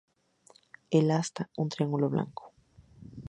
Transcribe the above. Al asta, un triángulo blanco.